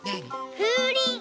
ふうりん。